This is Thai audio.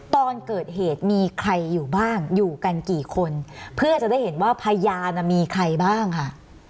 ตอนเกิดเหตุมีใครอยู่บ้างอยู่กันกี่คนเพื่อจะได้เห็นว่าพยานมีใครบ้างค่ะ